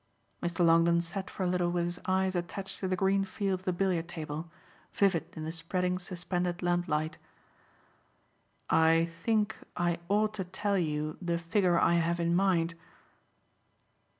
Mr. Longdon sat for a little with his eyes attached to the green field of the billiard table, vivid in the spreading suspended lamplight. "I think I ought to tell you the figure I have in mind."